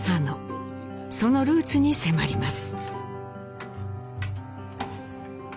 そのルーツに迫ります。